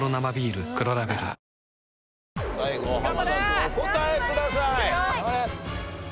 最後濱田君お答えください。